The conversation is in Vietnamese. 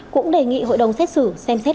cũng đề nghị hội đồng xét xử xem xét